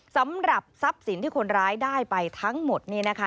สำหรับทรัพย์สินที่คนร้ายได้ไปทั้งหมด